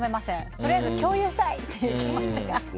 とりあえず共有したいっていう気持ちがあります。